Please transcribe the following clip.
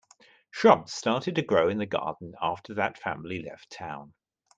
Shrubs started to grow in the garden after that family left town.